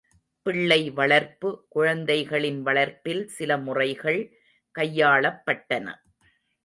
பிள்ளை வளர்ப்பு குழந்தைகளின் வளர்ப்பில் சில முறைகள் கையாளப்பட்டன.